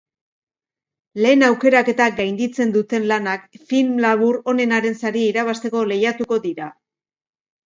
Lehen aukeraketa gainditzen duten lanak film labur onenaren saria irabazteko lehiatuko dira.